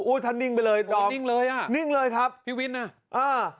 ท่านนิ่งไปเลยดอมนิ่งเลยอ่ะนิ่งเลยครับพี่วินน่ะอ่า